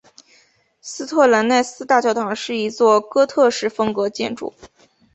斯特兰奈斯大教堂是一座哥特式风格建筑。